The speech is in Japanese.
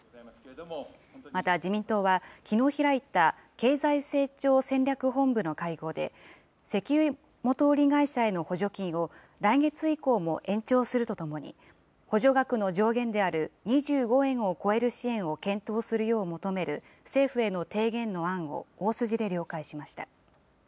また、自民党はきのう開いた経済成長戦略本部の会合で、石油元売り会社への補助金を来月以降も延長するとともに、補助額の上限である２５円を超える支援を検討するよう求める政府への提言の案を大筋で了解しました。